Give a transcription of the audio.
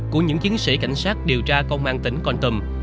của những chiến sĩ cảnh sát điều tra công an tỉnh con tầm